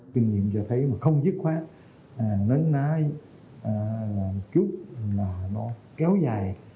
kinh nghiệm cho thấy mà không dứt khoát nấn nái là một chút là nó kéo dài